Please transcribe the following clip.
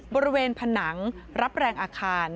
บริเวณผนังรับแรงอาคาร